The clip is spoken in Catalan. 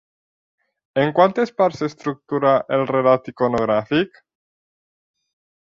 En quantes parts s'estructura el relat iconogràfic?